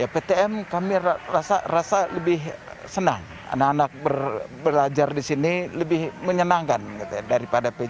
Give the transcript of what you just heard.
ptm kami rasa lebih senang anak anak belajar disini lebih menyenangkan daripada pjc